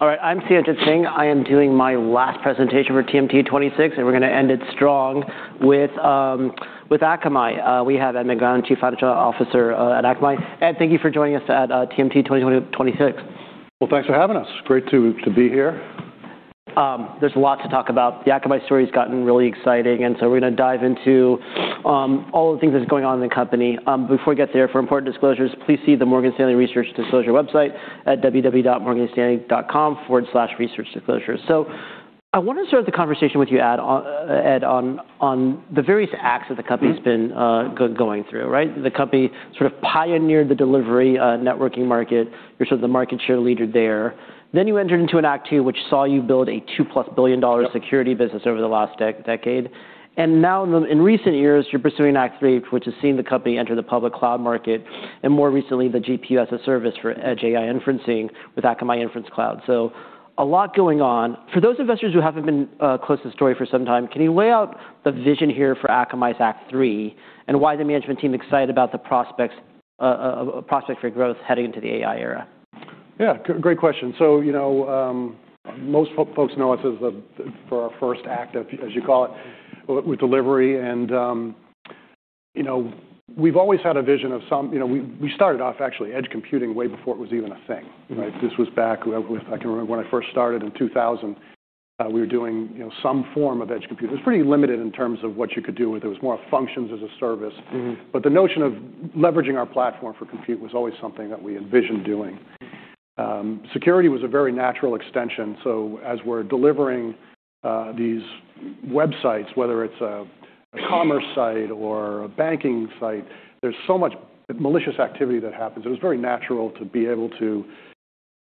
All right, I'm Sanjit Singh. I am doing my last presentation for TMT 2026, we're gonna end it strong with Akamai. We have Ed McGowan, Chief Financial Officer, at Akamai. Ed, thank you for joining us at TMT 2026. Well, thanks for having us. Great to be here. There's a lot to talk about. The Akamai story's gotten really exciting, and so we're gonna dive into all the things that's going on in the company. Before we get there, for important disclosures, please see the Morgan Stanley Research Disclosure website at www.morganstanley.com/researchdisclosure. I wanna start the conversation with you, Ed, on the various acts that the company- Mm-hmm... has been going through, right? The company sort of pioneered the delivery networking market. You're sort of the market share leader there. You entered into an act two, which saw you build a $2+ billion security business over the last decade. Now in recent years, you're pursuing act three, which has seen the company enter the public cloud market and more recently, the GPU as a service for edge AI inferencing with Akamai Inference Cloud. A lot going on. For those investors who haven't been close to the story for some time, can you lay out the vision here for Akamai's act three and why the management team is excited about the prospects, prospect for growth heading into the AI era? Yeah, great question. You know, most folks know us as for our first act of, as you call it, with delivery and, you know, we've always had a vision of some, You know, we started off actually edge computing way before it was even a thing, right? Mm-hmm. This was back I can remember when I first started in 2000, we were doing, you know, some form of edge compute. It was pretty limited in terms of what you could do with it. It was more functions as a service. Mm-hmm. The notion of leveraging our platform for compute was always something that we envisioned doing. Security was a very natural extension, so as we're delivering these websites, whether it's a commerce site or a banking site, there's so much malicious activity that happens. It was very natural to be able to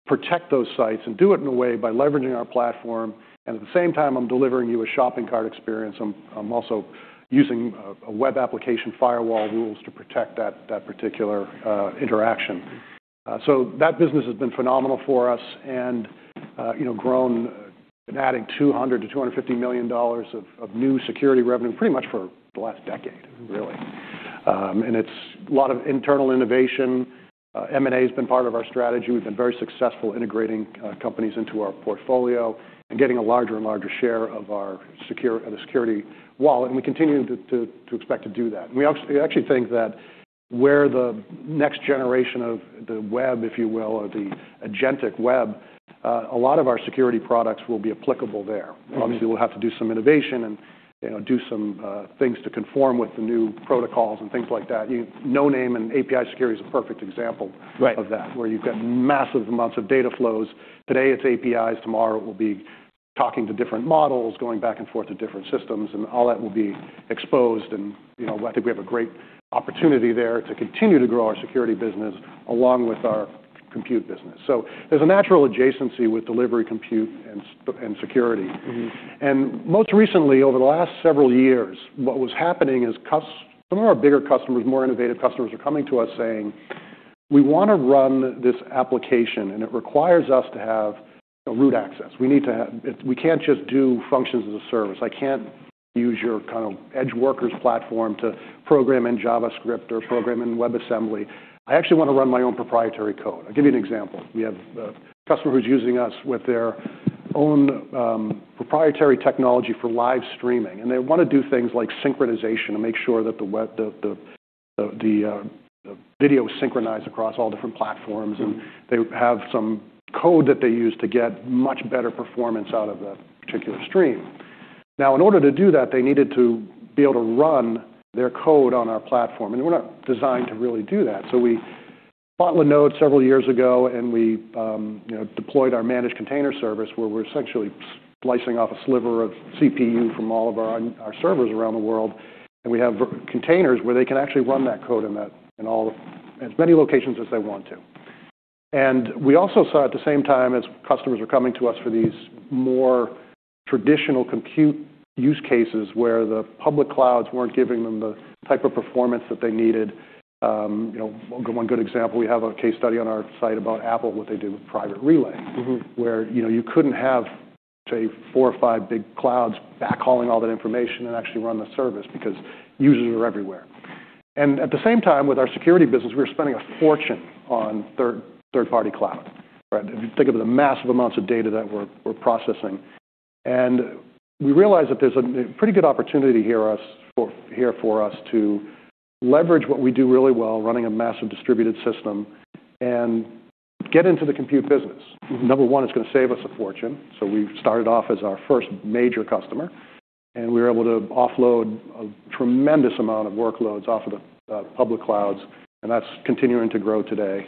protect those sites and do it in a way by leveraging our platform, and at the same time, I'm delivering you a shopping cart experience. I'm also using a web application firewall rules to protect that particular interaction. That business has been phenomenal for us and, you know, grown. Been adding $200 million-$250 million of new security revenue pretty much for the last decade, really. It's a lot of internal innovation. M&A has been part of our strategy. We've been very successful integrating companies into our portfolio and getting a larger and larger share of the security wallet, and we continue to expect to do that. We actually think that where the next generation of the web, if you will, or the agentic web, a lot of our security products will be applicable there. Mm-hmm. Obviously, we'll have to do some innovation and, you know, do some things to conform with the new protocols and things like that. Noname and API Security is a perfect example. Right... of that, where you've got massive amounts of data flows. Today, it's APIs. Tomorrow, it will be talking to different models, going back and forth to different systems, and all that will be exposed. You know, I think we have a great opportunity there to continue to grow our security business along with our compute business. There's a natural adjacency with delivery, compute, and security. Mm-hmm. Most recently, over the last several years, what was happening is Some of our bigger customers, more innovative customers, are coming to us saying, "We wanna run this application, and it requires us to have root access. We can't just do functions as a service. I can't use your kind of EdgeWorkers platform to program in JavaScript or program in WebAssembly. I actually wanna run my own proprietary code." I'll give you an example. We have a customer who's using us with their own proprietary technology for live streaming, and they wanna do things like synchronization to make sure that the video is synchronized across all different platforms. Mm-hmm. They have some code that they use to get much better performance out of that particular stream. In order to do that, they needed to be able to run their code on our platform, and we're not designed to really do that. We bought Linode several years ago, and we, you know, deployed our Managed Container Service, where we're essentially slicing off a sliver of CPU from all of our servers around the world, and we have containers where they can actually run that code in as many locations as they want to. We also saw at the same time as customers were coming to us for these more traditional compute use cases where the public clouds weren't giving them the type of performance that they needed. you know, one good example, we have a case study on our site about Apple, what they do with Private Relay. Mm-hmm. Where, you know, you couldn't have, say, four or five big clouds backhauling all that information and actually run the service because users are everywhere. At the same time, with our security business, we were spending a fortune on third-party cloud, right? If you think of the massive amounts of data that we're processing. We realized that there's a pretty good opportunity here for us to leverage what we do really well, running a massive distributed system, and get into the compute business. Mm-hmm. Number one, it's gonna save us a fortune. We've started off as our first major customer, and we were able to offload a tremendous amount of workloads off of the public clouds. That's continuing to grow today.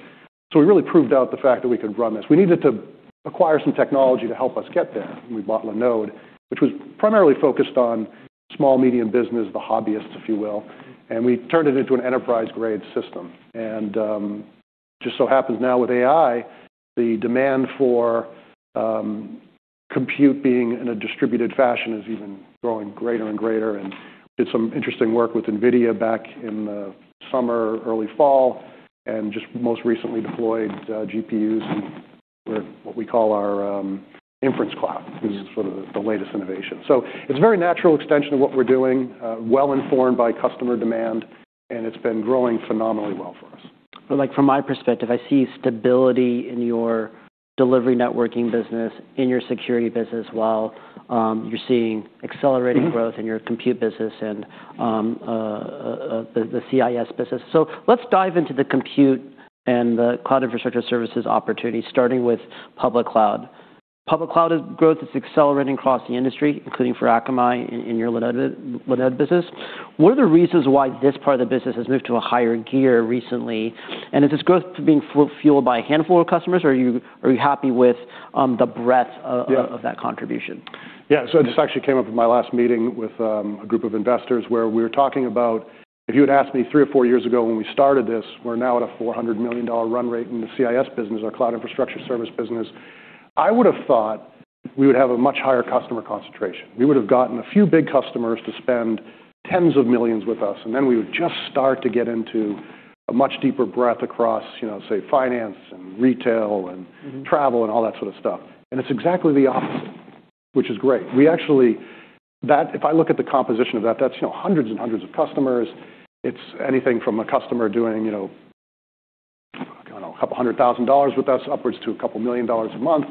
We really proved out the fact that we could run this. We needed to acquire some technology to help us get there. We bought Linode, which was primarily focused on small, medium business, the hobbyists, if you will, and we turned it into an enterprise-grade system. Just so happens now with AI, the demand for compute being in a distributed fashion is even growing greater and greater and did some interesting work with NVIDIA back in the summer, early fall, and just most recently deployed GPUs in what we call our Akamai Inference Cloud. Mm-hmm... is sort of the latest innovation. It's a very natural extension of what we're doing, well informed by customer demand, and it's been growing phenomenally well for us. Like from my perspective, I see stability in your delivery networking business, in your security business, while you're seeing accelerating. Mm-hmm... growth in your compute business and, the CIS business. Let's dive into the compute and the cloud infrastructure services opportunity, starting with public cloud. Public cloud is growth is accelerating across the industry, including for Akamai in your Linode business. What are the reasons why this part of the business has moved to a higher gear recently? Is this growth being fueled by a handful of customers, or are you, are you happy with, the breadth of? Yeah of that contribution? Yeah. This actually came up in my last meeting with a group of investors where we were talking about if you had asked me three or four years ago when we started this, we're now at a $400 million run rate in the CIS business, our cloud infrastructure service business. I would have thought we would have a much higher customer concentration. We would have gotten a few big customers to spend tens of millions with us, and then we would just start to get into a much deeper breadth across, you know, say, finance and retail and. Mm-hmm... travel and all that sort of stuff. It's exactly the opposite, which is great. We actually, if I look at the composition of that's, you know, hundreds and hundreds of customers. It's anything from a customer doing, you know, I don't know, $200,000 with us upwards to $2 million a month,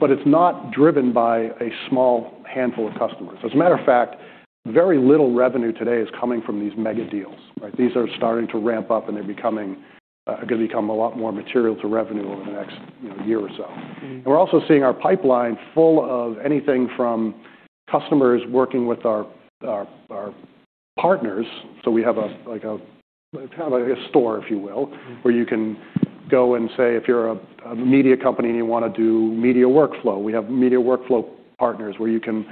but it's not driven by a small handful of customers. As a matter of fact, very little revenue today is coming from these mega deals, right. These are starting to ramp up, and they're becoming, gonna become a lot more material to revenue over the next, you know, year or so. Mm-hmm. We're also seeing our pipeline full of anything from customers working with our partners. We have a, like a, kind of like a store, if you will. Mm-hmm... where you can go and say, if you're a media company and you wanna do media workflow, we have media workflow partners where you can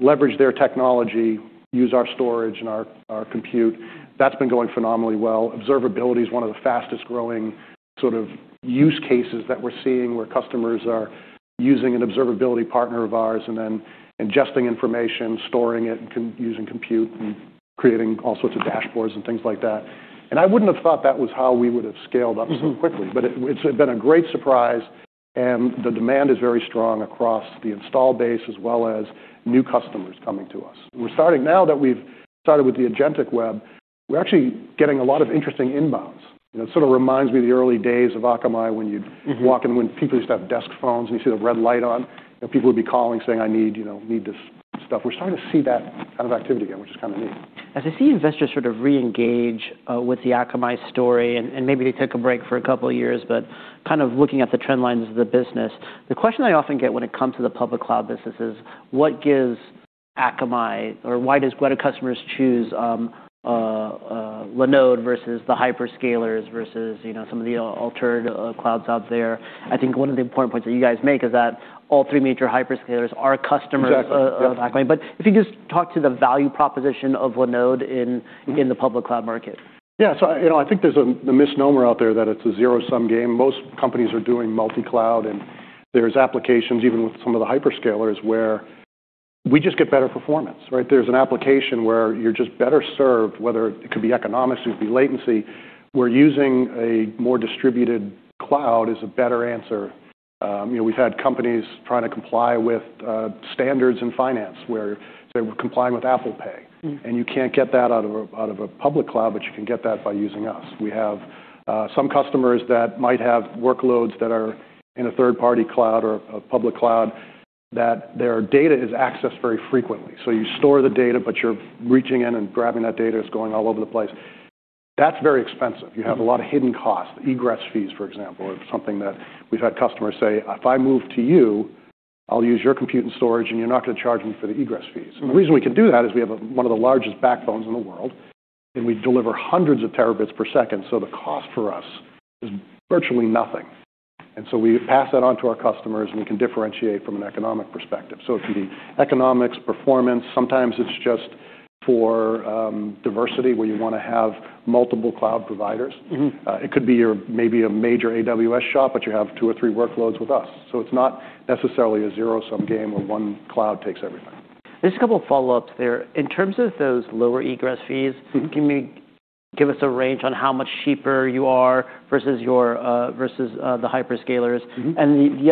leverage their technology, use our storage and our compute. That's been going phenomenally well. Observability is one of the fastest-growing sort of use cases that we're seeing where customers are using an observability partner of ours and then ingesting information, storing it, using compute, and creating all sorts of dashboards and things like that. I wouldn't have thought that was how we would have scaled up so quickly. Mm-hmm. It's been a great surprise, and the demand is very strong across the install base as well as new customers coming to us. Now that we've started with the agentic web, we're actually getting a lot of interesting inbounds. You know, it sort of reminds me of the early days of Akamai when you'd walk in. Mm-hmm... when people used to have desk phones, and you'd see the red light on. You know, people would be calling saying, "I need, you know, need this stuff." We're starting to see that kind of activity again, which is kinda neat. As I see investors sort of reengage with the Akamai story, and maybe they took a break for a couple of years, but kind of looking at the trend lines of the business, the question I often get when it comes to the public cloud business is: What gives Akamai or why do customers choose Linode versus the hyperscalers versus, you know, some of the altered clouds out there? I think one of the important points that you guys make is that all three major hyperscalers are customers. Exactly. Yeah of Akamai. If you just talk to the value proposition of Linode in the public cloud market. You know, I think there's a, the misnomer out there that it's a zero-sum game. Most companies are doing multi-cloud, and there's applications, even with some of the hyperscalers, where we just get better performance, right? There's an application where you're just better served, whether it could be economics, it could be latency, where using a more distributed cloud is a better answer. You know, we've had companies trying to comply with standards in finance where they were complying with Apple Pay. Mm-hmm. You can't get that out of a, out of a public cloud, but you can get that by using us. We have some customers that might have workloads that are in a third-party cloud or a public cloud that their data is accessed very frequently. You store the data, but you're reaching in and grabbing that data, it's going all over the place. That's very expensive. Yeah. You have a lot of hidden costs. Egress fees, for example, are something that we've had customers say, "If I move to you, I'll use your compute and storage, and you're not gonna charge me for the egress fees. Mm-hmm. The reason we can do that is we have one of the largest backbones in the world, and we deliver hundreds of terabits per second, so the cost for us is virtually nothing. We pass that on to our customers, and we can differentiate from an economic perspective. It could be economics, performance. Sometimes it's just for diversity, where you wanna have multiple cloud providers. Mm-hmm. It could be maybe a major AWS shop, but you have two or three workloads with us. It's not necessarily a zero-sum game where one cloud takes everything. Just a couple follow-ups there. In terms of those lower egress fees- Mm-hmm... can you give us a range on how much cheaper you are versus your versus the hyperscalers? Mm-hmm.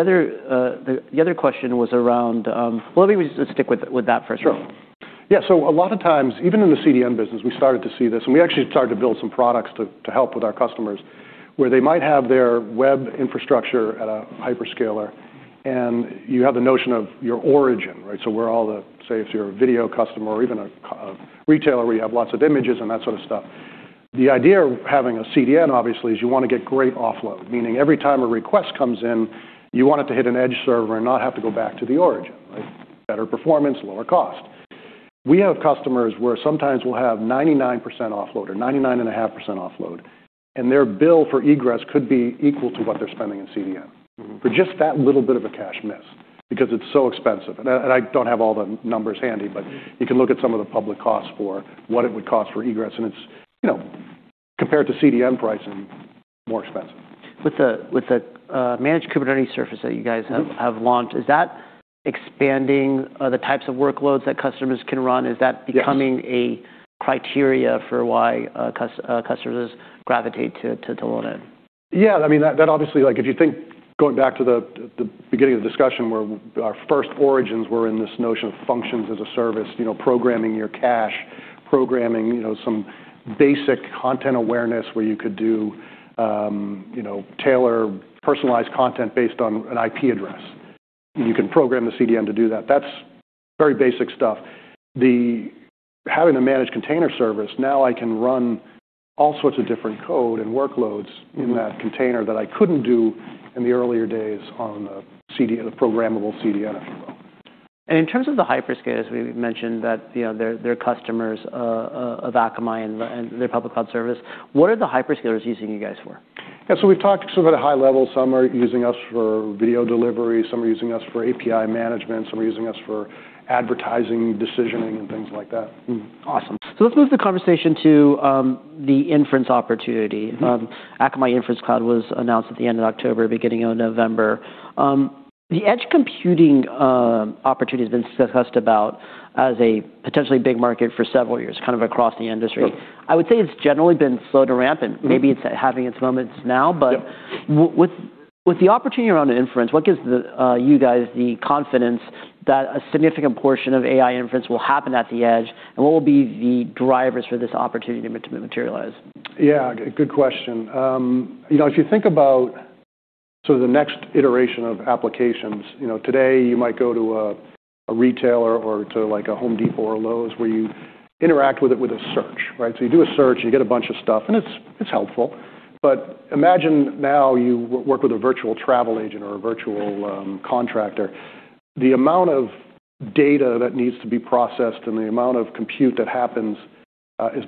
The other question was around, Well, let me just stick with that first. Sure. Yeah. A lot of times, even in the CDN business, we started to see this, and we actually started to build some products to help with our customers, where they might have their web infrastructure at a hyperscaler, and you have the notion of your origin, right? Where all the, say, if you're a video customer or even a retailer where you have lots of images and that sort of stuff. The idea of having a CDN, obviously, is you wanna get great offload, meaning every time a request comes in, you want it to hit an edge server and not have to go back to the origin, right? Better performance, lower cost. We have customers where sometimes we'll have 99% offload or 99.5% offload, and their bill for egress could be equal to what they're spending in CDN. Mm-hmm. For just that little bit of a cache miss, because it's so expensive. I don't have all the numbers handy, but you can look at some of the public costs for what it would cost for egress, and it's, you know, compared to CDN pricing, more expensive. With the Linode Kubernetes Engine that you guys Mm-hmm... have launched, is that expanding, the types of workloads that customers can run? Is that becoming? Yes... a criteria for why customers gravitate to Linode? Yeah, I mean, that obviously, like, if you think going back to the beginning of the discussion where our first origins were in this notion of functions as a service, you know, programming your cache, programming, you know, some basic content awareness where you could do, you know, tailor personalized content based on an IP address. You can program the CDN to do that. That's very basic stuff. Having a Managed Container Service, now I can run all sorts of different code and workloads- Mm-hmm. in that container that I couldn't do in the earlier days on the programmable CDN, if you will. In terms of the hyperscalers, we've mentioned that, you know, they're customers of Akamai and their public cloud service. What are the hyperscalers using you guys for? Yeah. We've talked sort of at a high level. Some are using us for video delivery, some are using us for API management, some are using us for advertising, decisioning, and things like that. Awesome. Let's move the conversation to the inference opportunity. Mm-hmm. Akamai Inference Cloud was announced at the end of October, beginning of November. The edge computing opportunity has been discussed about as a potentially big market for several years, kind of across the industry. Sure. I would say it's generally been slow to ramp. Mm-hmm. maybe it's having its moments now. Yeah. With the opportunity around inference, what gives the you guys the confidence that a significant portion of AI inference will happen at the edge, and what will be the drivers for this opportunity to materialize? Yeah, good question. you know, if you think about sort of the next iteration of applications, you know, today you might go to a retailer or to, like, a Home Depot or Lowe's where you interact with it with a search, right? You do a search, you get a bunch of stuff, and it's helpful. Imagine now you work with a virtual travel agent or a virtual contractor. The amount of data that needs to be processed and the amount of compute that happens is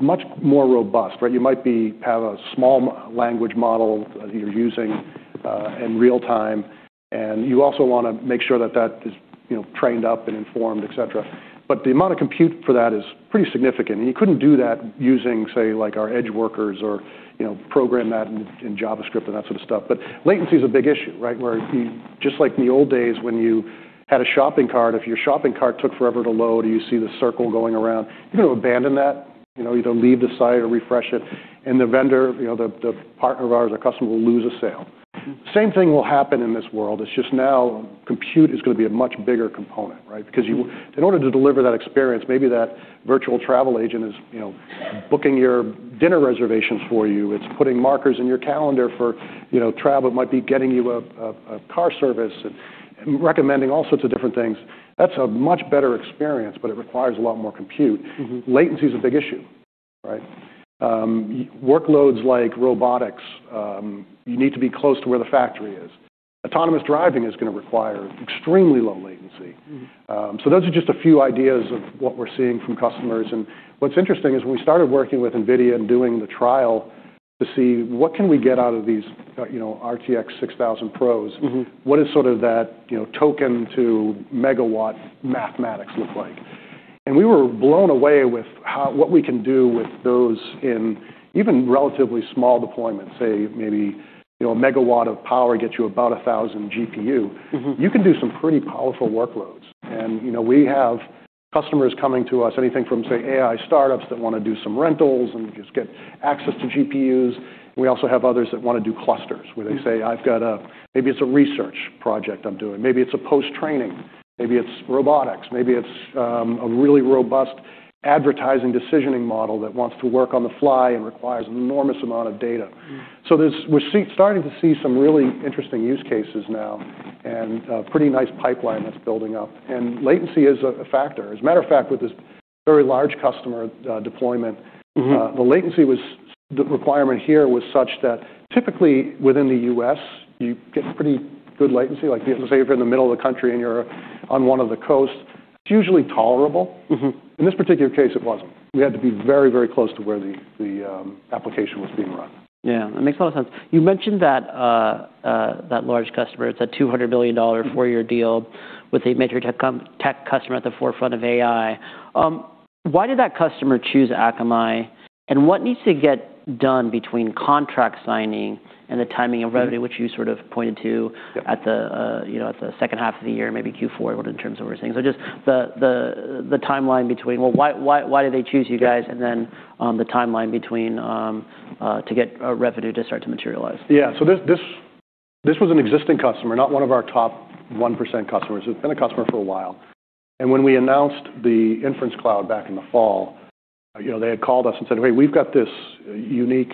much more robust, right? You might have a small language model that you're using in real time, and you also wanna make sure that that is, you know, trained up and informed, etc. The amount of compute for that is pretty significant, and you couldn't do that using, say, like, our EdgeWorkers or, you know, program that in JavaScript and that sort of stuff. Latency is a big issue, right, where just like in the old days when you had a shopping cart, if your shopping cart took forever to load and you see the circle going around, you're gonna abandon that. You know, either leave the site or refresh it, and the vendor, you know, the partner of ours, our customer will lose a sale. Mm. Same thing will happen in this world. It's just now compute is gonna be a much bigger component, right? Mm-hmm. In order to deliver that experience, maybe that virtual travel agent is, you know, booking your dinner reservations for you. It's putting markers in your calendar for, you know, travel. It might be getting you a car service and recommending all sorts of different things. That's a much better experience, but it requires a lot more compute. Mm-hmm. Latency is a big issue, right? workloads like robotics, you need to be close to where the factory is. Autonomous driving is gonna require extremely low latency. Mm. Those are just a few ideas of what we're seeing from customers. What's interesting is when we started working with NVIDIA and doing the trial to see what can we get out of these, you know, RTX 6000 PROs. Mm-hmm. What is sort of that, you know, token to megawatt mathematics look like? We were blown away with what we can do with those in even relatively small deployments. Say maybe, you know, a megawatt of power gets you about 1,000 GPU. Mm-hmm. You can do some pretty powerful workloads. You know, we have customers coming to us, anything from, say, AI startups that wanna do some rentals and just get access to GPUs. We also have others that wanna do clusters, where they say, "I've got a Maybe it's a research project I'm doing. Maybe it's a post-training. Maybe it's robotics. Maybe it's a really robust advertising decisioning model that wants to work on the fly and requires an enormous amount of data. Mm. We're starting to see some really interesting use cases now and a pretty nice pipeline that's building up, and latency is a factor. As a matter of fact, with this very large customer, deployment. Mm-hmm. The latency was the requirement here was such that typically within the U.S., you get pretty good latency. Like, let's say if you're in the middle of the country and you're on 1 of the coasts, it's usually tolerable. Mm-hmm. In this particular case, it wasn't. We had to be very, very close to where the application was being run. Yeah. That makes a lot of sense. You mentioned that that large customer, it's a $200 million 4-year deal with a major tech customer at the forefront of AI. Why did that customer choose Akamai? What needs to get done between contract signing and the timing of revenue, which you sort of pointed to. Yep. At the, you know, at the second half of the year, maybe Q4 in terms of where things are. Just the timeline between, well, why did they choose you guys? Yeah. The timeline between to get revenue to start to materialize. This, this was an existing customer, not one of our top 1% customers. It's been a customer for a while. When we announced the Inference Cloud back in the fall, you know, they had called us and said, "Hey, we've got this unique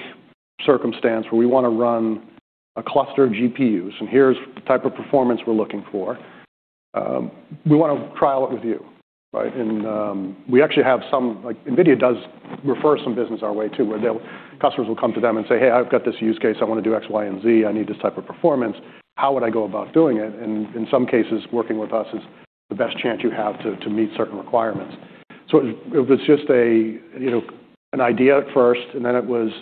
circumstance where we wanna run a cluster of GPUs, and here's the type of performance we're looking for. We wanna trial it with you." Right? We actually have some like NVIDIA does refer some business our way too, where customers will come to them and say, "Hey, I've got this use case. I wanna do X, Y, and Z. I need this type of performance. How would I go about doing it?" In some cases, working with us is the best chance you have to meet certain requirements. It was just a, you know, an idea at first, and then it was,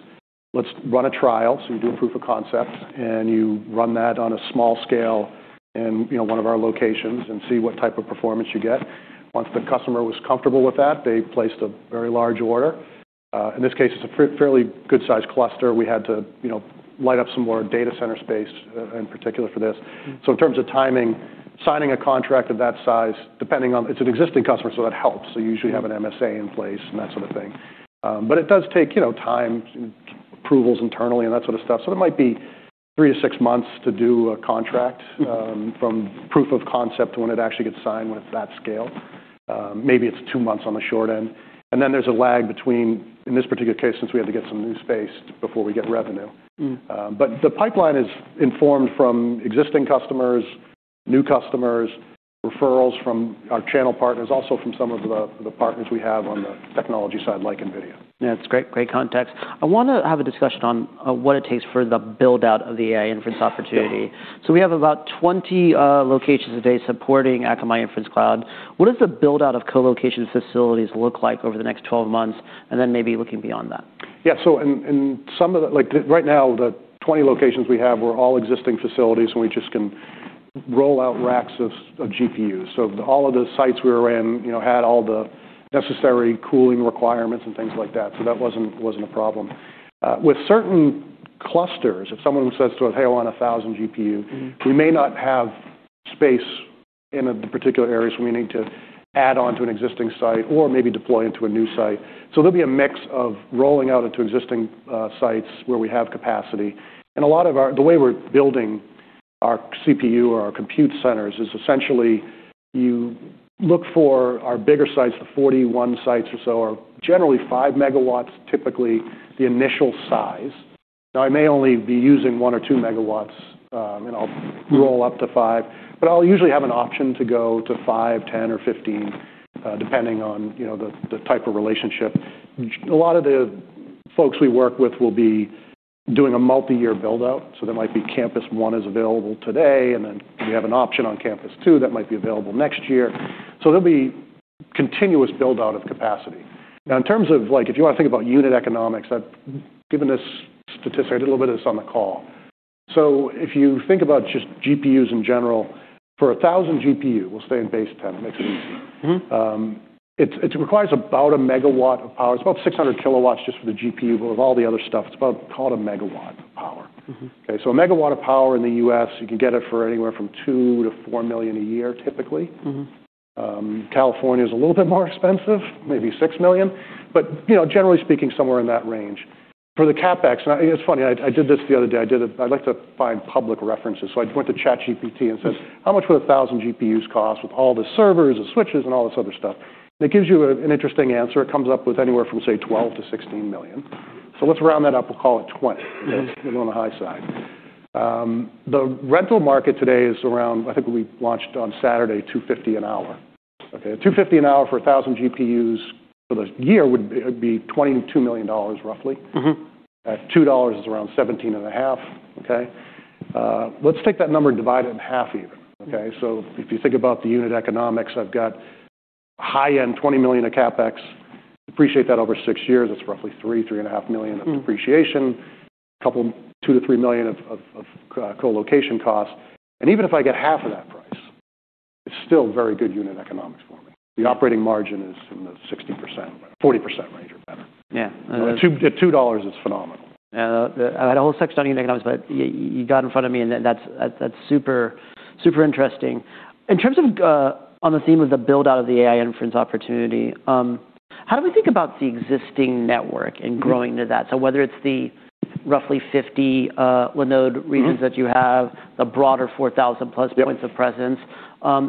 "Let's run a trial." You do a proof of concept, and you run that on a small scale in, you know, one of our locations and see what type of performance you get. Once the customer was comfortable with that, they placed a very large order. In this case, it's a fairly good-sized cluster. We had to, you know, light up some more data center space, in particular for this. Mm-hmm. In terms of timing, signing a contract of that size, it's an existing customer, so that helps. You usually have an MSA in place and that sort of thing. It does take, you know, time, approvals internally and that sort of stuff. There might be three to six months to do a contract from proof of concept to when it actually gets signed with that scale. Maybe it's two months on the short end. There's a lag between, in this particular case, since we had to get some new space before we get revenue. Mm. The pipeline is informed from existing customers, new customers, referrals from our channel partners, also from some of the partners we have on the technology side, like NVIDIA. Yeah, it's great context. I wanna have a discussion on what it takes for the build-out of the AI inference opportunity. Yeah. We have about 20 locations today supporting Akamai Inference Cloud. What does the build-out of co-location facilities look like over the next 12 months, and then maybe looking beyond that? In, in some of the-- Like, right now, the 20 locations we have were all existing facilities, and we just can roll out racks of GPUs. All of the sites we were in, you know, had all the necessary cooling requirements and things like that, so that wasn't a problem. With certain clusters, if someone says to us, "Hey, I want a 1,000 GPU," we may not have space in the particular areas, we need to add on to an existing site or maybe deploy into a new site. There'll be a mix of rolling out into existing sites where we have capacity. A lot of our-- The way we're building our CPU or our compute centers is essentially you look for our bigger sites, the 41 sites or so, are generally 5 MW, typically the initial size. I may only be using one or 2 MW, and I'll roll up to five, but I'll usually have an option to go to five, 10 or 15, depending on, you know, the type of relationship. A lot of the folks we work with will be doing a multi-year build-out. There might be campus 1 is available today, and then we have an option on campus two that might be available next year. There'll be continuous build-out of capacity. In terms of, like, if you wanna think about unit economics, I've given this statistic, I did a little bit of this on the call. If you think about just GPUs in general, for a 1,000 GPU, we'll stay in base 10, it makes it easy. Mm-hmm. It requires about a MW of power. It's about 600 kilowatts just for the GPU, but with all the other stuff, it's about called a MW of power. Mm-hmm. Okay, a MW of power in the US, you can get it for anywhere from $2 million-$4 million a year, typically. Mm-hmm. California is a little bit more expensive, maybe $6 million. You know, generally speaking, somewhere in that range. For the CapEx, I think it's funny, I did this the other day. I like to find public references. I went to ChatGPT and said, "How much would a 1,000 GPUs cost with all the servers, the switches, and all this other stuff?" It gives you an interesting answer. It comes up with anywhere from, say, $12 million-$16 million. Let's round that up. We'll call it 20. Yeah. On the high side. The rental market today is around, I think we launched on Saturday, $2.50 an hour. Okay, $2.50 an hour for 1,000 GPUs for the year would be $22 million, roughly. Mm-hmm. At $2, it's around 17.5. Okay? Let's take that number and divide it in half even. Mm-hmm. Okay? If you think about the unit economics, I've got high-end $20 million of CapEx. Depreciate that over six years, that's roughly $3 million, $3 and a half million. Mm... of depreciation. Couple, $2 million-$3 million of co-location costs. Even if I get half of that price, it's still very good unit economics for me. The operating margin is in the 60%, 40% range or better. Yeah. At two, at $2 is phenomenal. Yeah. I had a whole section on unit economics, but you got in front of me, and that's super interesting. In terms of, on the theme of the build-out of the AI inference opportunity, how do we think about the existing network? Mm-hmm... and growing to that? whether it's the roughly 50 Linode regions. Mm-hmm... that you have, the broader 4,000 plus- Yep... points of presence,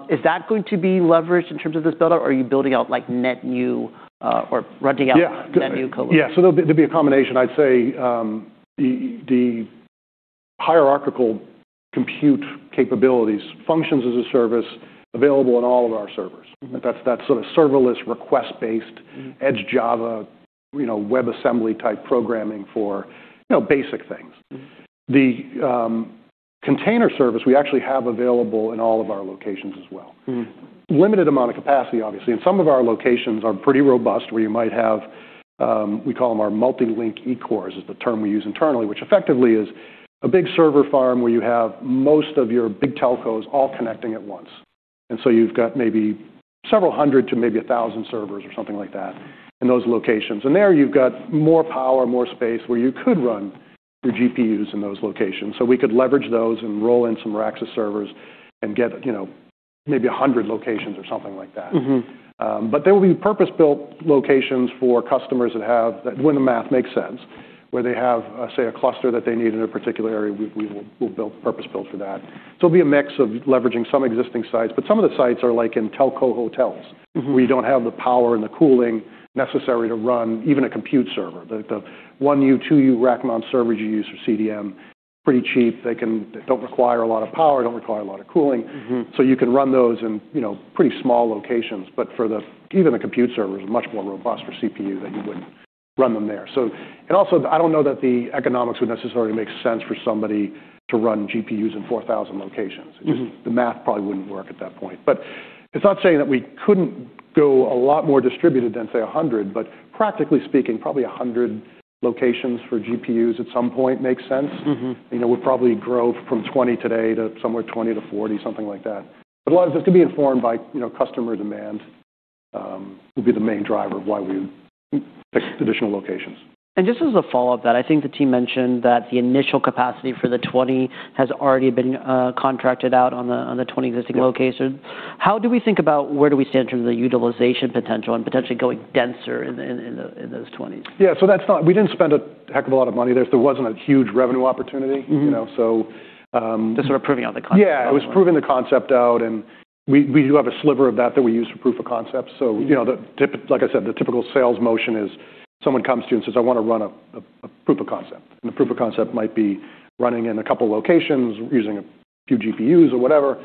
is that going to be leveraged in terms of this build-out, or are you building out like net new, or renting out? Yeah. Net new co-lo. Yeah. There'll be a combination. I'd say, the hierarchical compute capabilities functions as a service available in all of our servers. Mm-hmm. That's sort of serverless request-based. Mm-hmm... edge Java, you know, WebAssembly type programming for, you know, basic things. Mm-hmm. The container service we actually have available in all of our locations as well. Mm-hmm. Limited amount of capacity, obviously. Some of our locations are pretty robust, where you might have, we call them our multi-link E-cores, is the term we use internally, which effectively is a big server farm where you have most of your big telcos all connecting at once. You've got maybe several hundred to maybe 1,000 servers or something like that in those locations. There you've got more power, more space, where you could run your GPUs in those locations. We could leverage those and roll in some racks of servers and get, you know, maybe 100 locations or something like that. Mm-hmm. There will be purpose-built locations for customers when the math makes sense, where they have, say, a cluster that they need in a particular area, we'll build purpose-built for that. It'll be a mix of leveraging some existing sites, but some of the sites are like in telco hotels. Mm-hmm... where you don't have the power and the cooling necessary to run even a compute server. The 1U, 2U rack mount servers you use for CDN, pretty cheap. They don't require a lot of power, don't require a lot of cooling. Mm-hmm. You can run those in, you know, pretty small locations. But even the compute servers are much more robust for CPU that you wouldn't run them there. Also, I don't know that the economics would necessarily make sense for somebody to run GPUs in 4,000 locations. Mm-hmm. The math probably wouldn't work at that point. It's not saying that we couldn't go a lot more distributed than, say, 100, but practically speaking, probably 100 locations for GPUs at some point makes sense. Mm-hmm. You know, we'll probably grow from 20 today to somewhere 20-40, something like that. A lot of this could be informed by, you know, customer demand, will be the main driver of why we pick additional locations. Just as a follow-up that I think the team mentioned that the initial capacity for the 20 has already been contracted out on the, on the 20 existing locations. How do we think about where do we stand in terms of the utilization potential and potentially going denser in, in those 20? Yeah. We didn't spend a heck of a lot of money there. There wasn't a huge revenue opportunity. Mm-hmm. You know, so. Just sort of proving out the concept. Yeah. It was proving the concept out. We do have a sliver of that that we use for proof of concept. You know, like I said, the typical sales motion is someone comes to you and says, "I wanna run a proof of concept." The proof of concept might be running in a couple locations using a few GPUs or whatever.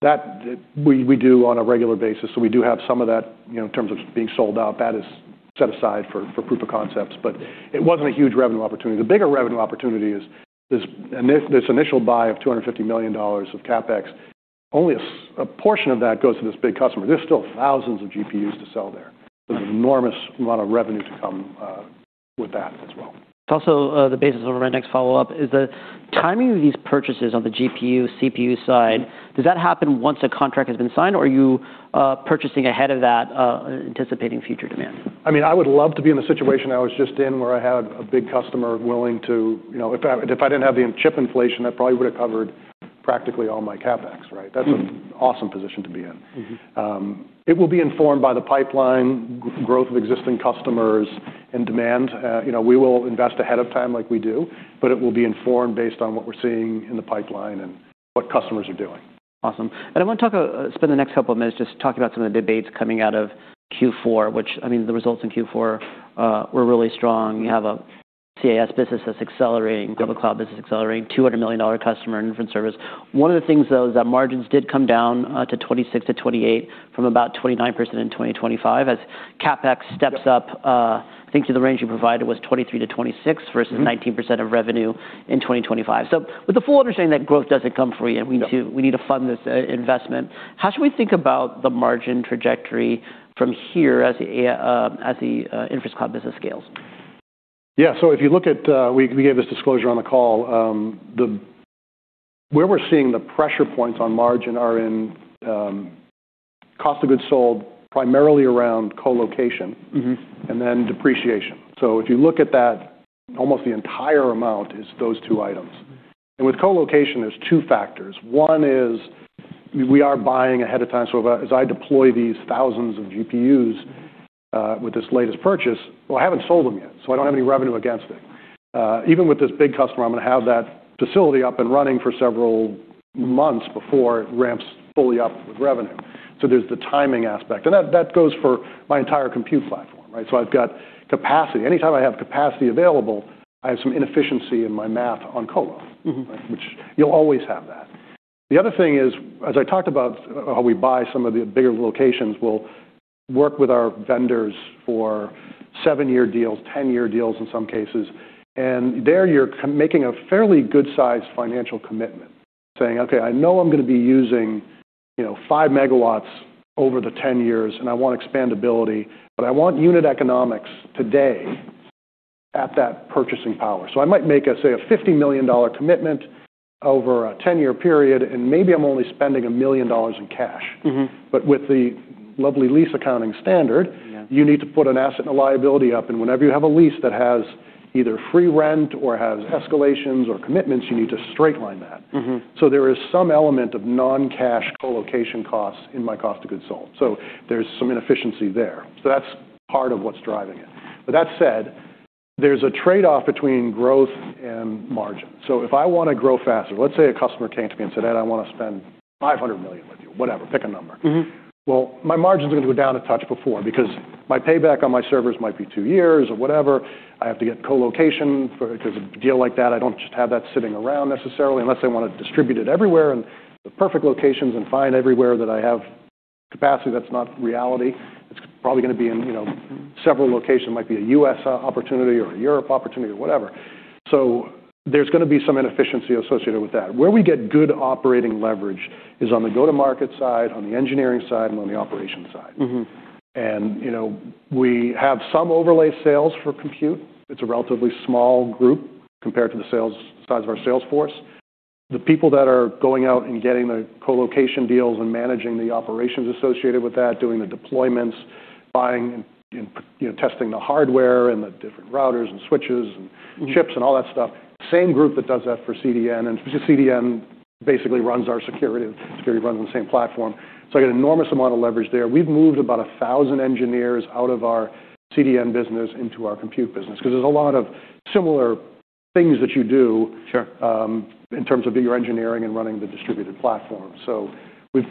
That we do on a regular basis. We do have some of that, you know, in terms of being sold out. That is set aside for proof of concepts, but it wasn't a huge revenue opportunity. The bigger revenue opportunity is this initial buy of $250 million of CapEx. Only a portion of that goes to this big customer. There's still thousands of GPUs to sell there. There's an enormous amount of revenue to come, with that as well. It's also the basis of my next follow-up. Is the timing of these purchases on the GPU, CPU side, does that happen once a contract has been signed, or are you purchasing ahead of that, anticipating future demand? I mean, I would love to be in the situation I was just in where I had a big customer willing to... You know, if I, if I didn't have the chip inflation, I probably would've covered practically all my CapEx, right? Mm-hmm. That's an awesome position to be in. Mm-hmm. It will be informed by the pipeline, growth of existing customers and demand. You know, we will invest ahead of time like we do. It will be informed based on what we're seeing in the pipeline and what customers are doing. Awesome. I wanna talk, spend the next couple of minutes just talking about some of the debates coming out of Q4, which, I mean, the results in Q4 were really strong. You have a CAS business that's accelerating, global cloud business accelerating, $200 million customer inference service. One of the things, though, is that margins did come down to 26%-28% from about 29% in 2025 as CapEx steps up, I think to the range you provided was 23%-26% versus 19% of revenue in 2025. With the full understanding that growth doesn't come free. No. We need to fund this investment, how should we think about the margin trajectory from here as the Inference Cloud business scales? Yeah. If you look at, we gave this disclosure on the call. Where we're seeing the pressure points on margin are in cost of goods sold primarily around co-location- Mm-hmm. Then depreciation. If you look at that, almost the entire amount is those 2 items. With co-location, there's 2 factors. 1 is we are buying ahead of time. As I deploy these thousands of GPUs, with this latest purchase, well, I haven't sold them yet, so I don't have any revenue against it. Even with this big customer, I'm gonna have that facility up and running for several months before it ramps fully up with revenue. There's the timing aspect, and that goes for my entire compute platform, right? I've got capacity. Anytime I have capacity available, I have some inefficiency in my math on co-lo. Mm-hmm. Which you'll always have that. The other thing is, as I talked about how we buy some of the bigger locations, we'll work with our vendors for 7-year deals, 10-year deals in some cases. There you're making a fairly good-sized financial commitment saying, "Okay, I know I'm gonna be using, you know, 5 MW over the 10 years, and I want expandability, but I want unit economics today at that purchasing power." I might make a, say, a $50 million commitment over a 10-year period, and maybe I'm only spending $1 million in cash. Mm-hmm. with the lovely lease accounting standard. Yeah. You need to put an asset and a liability up, and whenever you have a lease that has either free rent or has escalations or commitments, you need to straight line that. Mm-hmm. There is some element of non-cash co-location costs in my cost of goods sold. There's some inefficiency there. That's part of what's driving it. That said, there's a trade-off between growth and margin. If I wanna grow faster, let's say a customer came to me and said, "Ed, I wanna spend $500 million with you." Whatever, pick a number. Mm-hmm. Well, my margins are gonna go down a touch before because my payback on my servers might be two years or whatever. I have to get co-location for if there's a deal like that, I don't just have that sitting around necessarily unless I wanna distribute it everywhere in the perfect locations and find everywhere that I have capacity. That's not reality. It's probably gonna be in, you know, several locations. It might be a U.S. opportunity or a Europe opportunity or whatever. There's gonna be some inefficiency associated with that. Where we get good operating leverage is on the go-to-market side, on the engineering side, and on the operations side. Mm-hmm. You know, we have some overlay sales for compute. It's a relatively small group compared to the size of our sales force. The people that are going out and getting the co-location deals and managing the operations associated with that, doing the deployments, buying and, you know, testing the hardware and the different routers and switches and chips and all that stuff, same group that does that for CDN. CDN basically runs our security. Security runs on the same platform. I get an enormous amount of leverage there. We've moved about 1,000 engineers out of our CDN business into our compute business because there's a lot of similar things that you do- Sure. in terms of doing your engineering and running the distributed platform.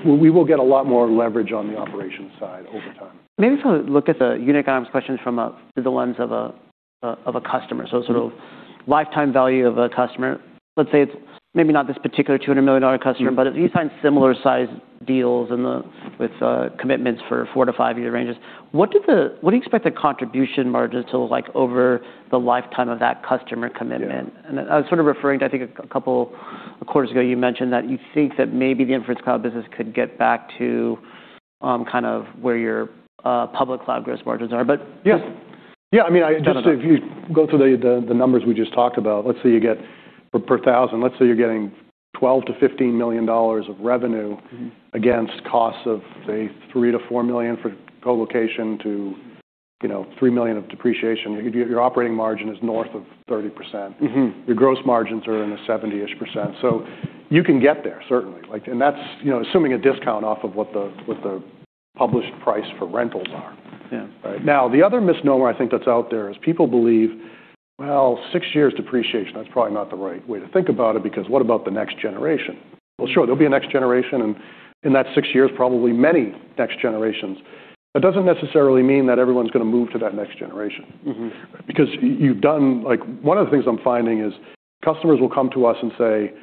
We will get a lot more leverage on the operations side over time. Maybe if I look at the unit economics questions from a through the lens of a customer, so sort of lifetime value of a customer. Let's say it's maybe not this particular $200 million customer, but if you sign similar sized deals and with commitments for four to five year ranges, what do you expect the contribution margin to look like over the lifetime of that customer commitment? Yeah. I was sort of referring to, I think a couple quarters ago, you mentioned that you think that maybe the inference cloud business could get back to, kind of where your public cloud gross margins are. Yeah, I mean, I just if you go through the numbers we just talked about, let's say you get per thousand, let's say you're getting $12 million-$15 million of revenue. Mm-hmm. Against costs of say $3 million-$4 million for co-location to, you know, $3 million of depreciation. Your operating margin is north of 30%. Mm-hmm. Your gross margins are in the 70%-ish. You can get there, certainly. That's, you know, assuming a discount off of what the published price for rentals are. Yeah. The other misnomer I think that's out there is people believe, well, six years depreciation, that's probably not the right way to think about it, because what about the next generation? Well, sure, there'll be a next generation, and in that six years, probably many next generations. That doesn't necessarily mean that everyone's gonna move to that next generation. Mm-hmm. Like, one of the things I'm finding is customers will come to us and say,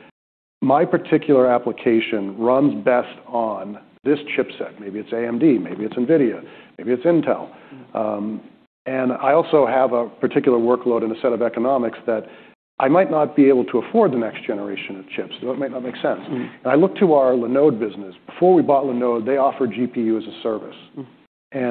"My particular application runs best on this chipset." Maybe it's AMD, maybe it's NVIDIA, maybe it's Intel. I also have a particular workload and a set of economics that I might not be able to afford the next generation of chips. It might not make sense. Mm-hmm. I look to our Linode business. Before we bought Linode, they offered GPU as a service. Mm-hmm.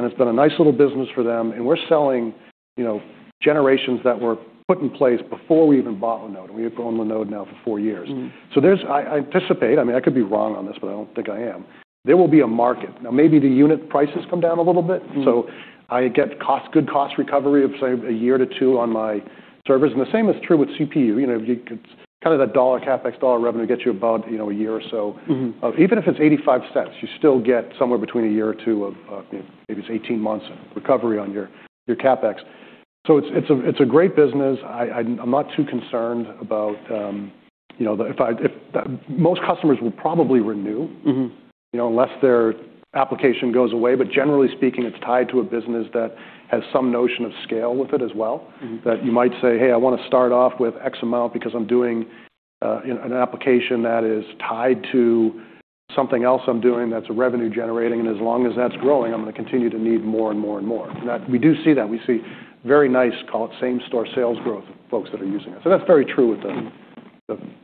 It's been a nice little business for them, and we're selling, you know, generations that were put in place before we even bought Linode. We've owned Linode now for four years. Mm-hmm. I anticipate, I mean, I could be wrong on this, but I don't think I am. There will be a market. Maybe the unit prices come down a little bit. Mm-hmm. I get cost, good cost recovery of say one to two years on my servers. The same is true with CPU. You know, it's kind of that dollar CapEx, dollar revenue gets you about, you know, one year or so. Mm-hmm. Even if it's $0.85, you still get somewhere between a year or two of, you know, maybe it's 18 months of recovery on your CapEx. It's, it's a, it's a great business. I'm not too concerned about, you know, Most customers will probably renew. Mm-hmm. You know, unless their application goes away. Generally speaking, it's tied to a business that has some notion of scale with it as well. Mm-hmm. That you might say, "Hey, I wanna start off with X amount because I'm doing, you know, an application that is tied to something else I'm doing that's revenue generating, and as long as that's growing, I'm gonna continue to need more and more and more." We do see that. We see very nice, call it same store sales growth of folks that are using it. That's very true with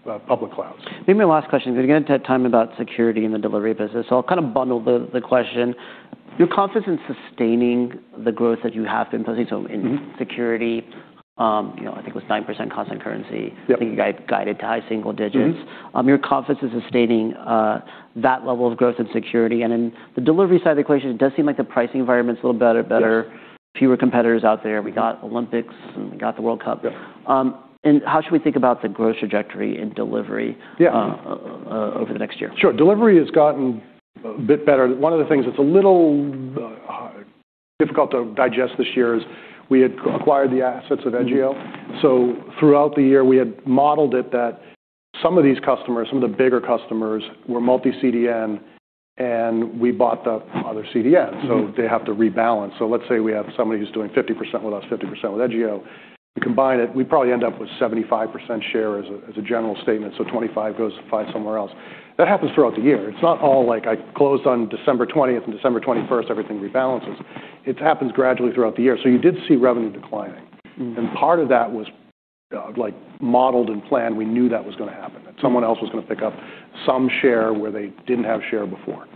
the public clouds. Maybe my last question, because again, time about security in the delivery business, so I'll kind of bundle the question. You're confident in sustaining the growth that you have been posing? Mm-hmm. In security, you know, I think it was 9% constant currency. Yep. I think you guided to high single digits. Mm-hmm. You're confident in sustaining that level of growth in security. In the delivery side of the equation, it does seem like the pricing environment's a little better. Yes. Fewer competitors out there. We got Olympics, and we got the World Cup. Yeah. how should we think about the growth trajectory in delivery- Yeah. Over the next year? Sure. Delivery has gotten a bit better. One of the things that's a little difficult to digest this year is we had acquired the assets of Edgio. Throughout the year, we had modeled it that some of these customers, some of the bigger customers, were multi CDN, and we bought the other CDN. Mm-hmm. They have to rebalance. Let's say we have somebody who's doing 50% with us, 50% with Edgio. We combine it, we probably end up with 75% share as a general statement. 25 goes to find somewhere else. That happens throughout the year. It's not all like I closed on December 20th and December 21st, everything rebalances. It happens gradually throughout the year. You did see revenue declining. Mm-hmm. Part of that was, like modeled and planned. We knew that was gonna happen, that someone else was gonna pick up some share where they didn't have share before.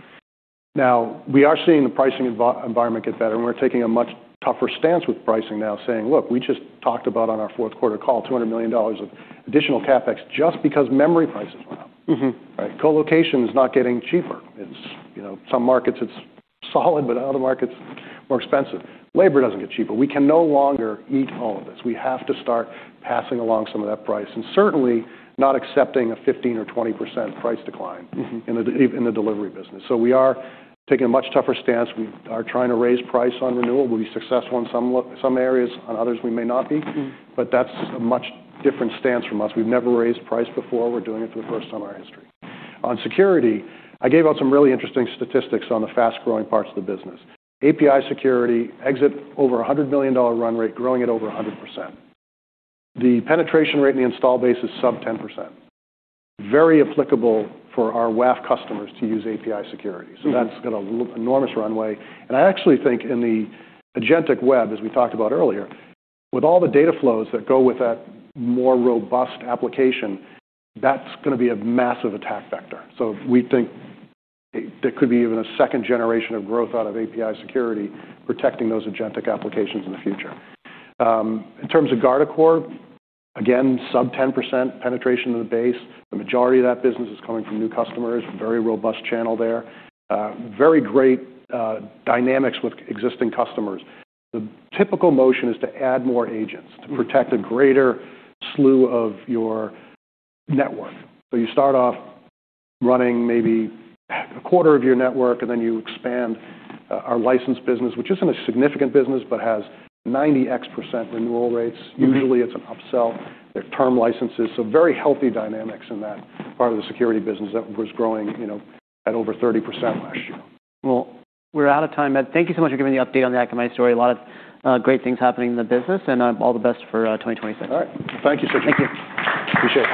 Now, we are seeing the pricing environment get better, and we're taking a much tougher stance with pricing now saying, "Look, we just talked about on our fourth quarter call, $200 million of additional CapEx just because memory prices went up. Mm-hmm. Right? Co-location is not getting cheaper. It's, you know, some markets it's solid, but other markets more expensive. Labor doesn't get cheaper. We can no longer eat all of this. We have to start passing along some of that price, and certainly not accepting a 15% or 20% price decline. Mm-hmm. In the delivery business. We are taking a much tougher stance. We are trying to raise price on renewal. We'll be successful in some areas, on others, we may not be. Mm-hmm. That's a much different stance from us. We've never raised price before. We're doing it for the first time in our history. On security, I gave out some really interesting statistics on the fast-growing parts of the business. API Security exit over a $100 million run rate, growing at over 100%. The penetration rate in the install base is sub 10%. Very applicable for our WAF customers to use API Security. Mm-hmm. That's got an enormous runway. I actually think in the agentic web, as we talked about earlier, with all the data flows that go with that more robust application, that's gonna be a massive attack vector. We think there could be even a second generation of growth out of API Security protecting those agentic applications in the future. In terms of Guardicore, again, sub 10% penetration of the base. The majority of that business is coming from new customers. Very robust channel there. Very great dynamics with existing customers. The typical motion is to add more agents to protect a greater slew of your network. You start off running maybe a quarter of your network, and then you expand our license business, which isn't a significant business, but has 90x% renewal rates. Mm-hmm. Usually it's an upsell. They're term licenses, so very healthy dynamics in that part of the security business that was growing, you know, at over 30% last year. Well, we're out of time. Ed, thank you so much for giving the update on the Akamai story. A lot of great things happening in the business, and all the best for 2026. All right. Thank you, Sanjit. Thank you. Appreciate it.